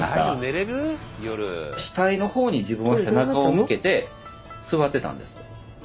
死体の方に自分は背中を向けて座ってたんですって。